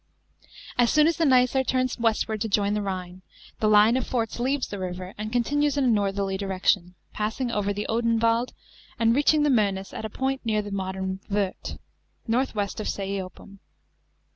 As zoon as the Nicer turns westward to join the Rhine, the line of forts leaves the river and continues in a northerly direction, passing over the Odenwald and reaching the IVIcenus at a point (near the modern Worth), northwest of Seiopum.